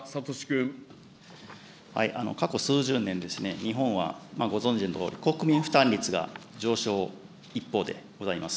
過去数十年、日本はご存じのとおり、国民負担率が上昇の一方でございます。